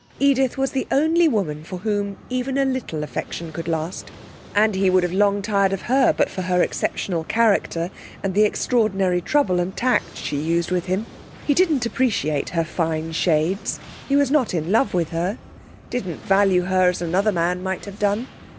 Edith was the only woman for whom even a little affection could last, and he would have long tired of her but for her exceptional character and the extraordinary trouble and tact she used with him. He didn't appreciate her fine shades, he was not in love with her, didn't value her as another man might have done.